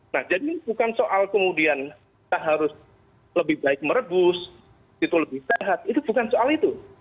nah jadi bukan soal kemudian kita harus lebih baik merebus itu lebih sehat itu bukan soal itu